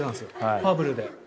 『ファブル』で。